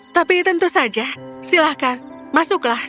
tapi tentu saja silahkan masuklah